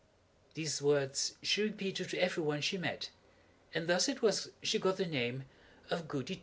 These words she repeated to every one she met, and thus it was she got the name of Goody Two Shoes.